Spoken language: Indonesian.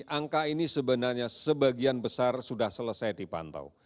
angka ini sebenarnya sebagian besar sudah selesai dipantau